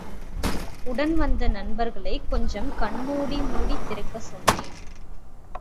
உடன் வந்த நண்பர்களைக் கொஞ்சம் கண்மூடி மூடித் திறக்கச் சொன்னேன்.